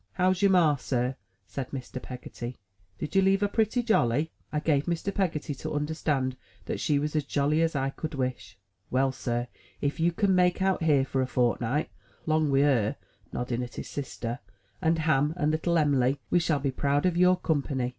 "How's your Ma, Sir," said Mr. Peggotty. "Did you leave her pretty jolly?" I gave Mr. Peggotty to understand that she was as jolly as I could wish. "Well, Sir, if you can make out here, fur a fortnut, 'long wi' her," nodding at his sister, "and Ham, and little Em'ly, we shall be proud of your company."